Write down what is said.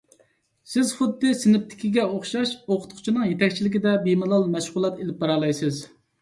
سىز خۇددى سىنىپتىكىگە ئوخشاش ئوقۇتقۇچىنىڭ يېتەكچىلىكىدە بىمالال مەشغۇلات ئېلىپ بارالايسىز.